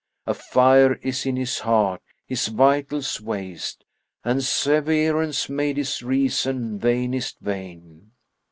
A fire is in his heart, his vitals waste, * And severance made his reason vainest vain.